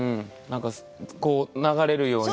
こう流れるように。